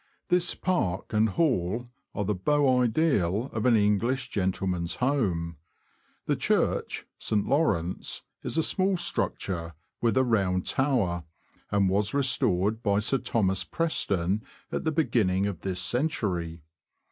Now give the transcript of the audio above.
This park and hall are the beau ideal of an English gentleman's home. The church (St. Lawrence) is a small structure, with a round tower, and was restored by Sir Thos. Preston at the beginning of this century.